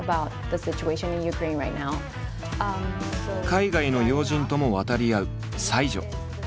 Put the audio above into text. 海外の要人とも渡り合う才女。